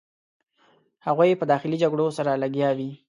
هغوی په داخلي جګړو سره لګیا وې.